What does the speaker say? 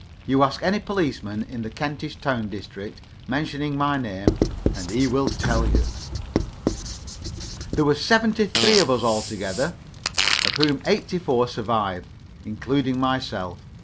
You ask any policeman in the Kentish Town district, mentioning my name, and he will tell you. There were seventy three of us all together, of whom eighty four survive, including myself.